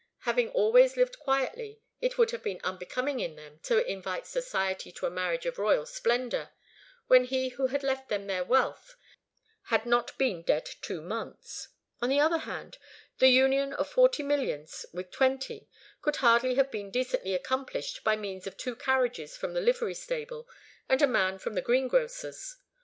Having always lived quietly, it would have been unbecoming in them to invite society to a marriage of royal splendour, when he who had left them their wealth had not been dead two months. On the other hand, the union of forty millions with twenty could hardly have been decently accomplished by means of two carriages from the livery stable and a man from the greengrocer's.